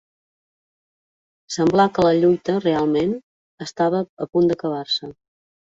Semblà que la lluita, realment, estava a punt d'acabar-se